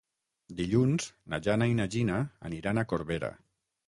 Dilluns na Jana i na Gina aniran a Corbera.